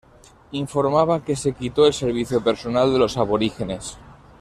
Informaba que se quitó el servicio personal de los aborígenes.